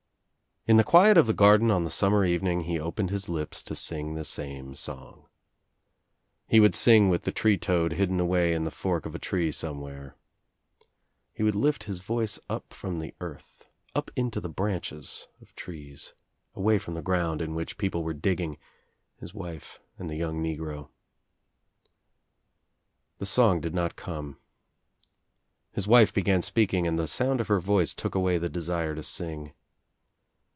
In the quiet of the garden on the summer evening he opened his lips to sing the same song. He would sing with the tree toad hidden away In the fork of a tree somewhere. He would lift his voice up from OUT OF NOWHERE INTO NOTHING 223 the earth, up Into the branches, of trees, away from I the ground in which people were digging, his wife and the young negro. ' The song did not come. His wife began speaking and the sound of her voice took away the desire to sing.